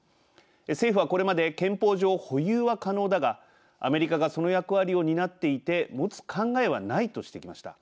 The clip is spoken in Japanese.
政府はこれまで「憲法上、保有は可能だがアメリカがその役割を担っていて持つ考えはない」としてきました。